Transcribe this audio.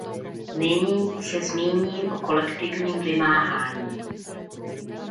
Nyní se zmíním o kolektivním vymáhání.